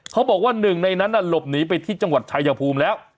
เขาบอกว่าหนึ่งในนั้นหลบหนีไปที่จังหวัดชายภูมิแล้ว